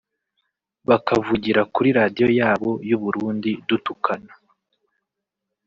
bakavugira kuri Radio yabo y’u Burundi dutukana